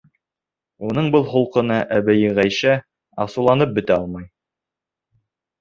Уның был холҡона әбейе Ғәйшә асыуланып бөтә алмай.